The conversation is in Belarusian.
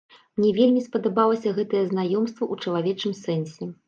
Мне вельмі спадабалася гэтае знаёмства ў чалавечым сэнсе.